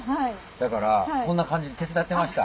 だからこんな感じで手伝ってました。